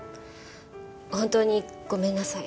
本当にごめんなさい。